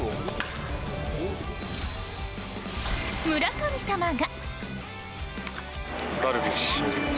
村神様が！